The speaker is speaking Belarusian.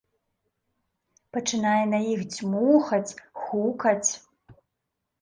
Пачынае на іх дзьмухаць, хукаць.